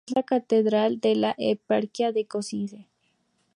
Es la catedral de la Eparquía de Košice.